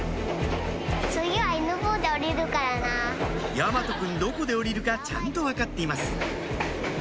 大和くんどこで降りるかちゃんと分かっています